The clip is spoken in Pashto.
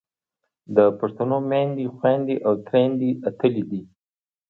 د پښتنو میندې، خویندې او تریندې اتلې دي.